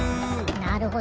なるほど。